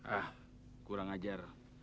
ah kurang ajar